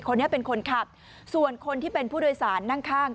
คนนี้เป็นคนขับส่วนคนที่เป็นผู้โดยสารนั่งข้าง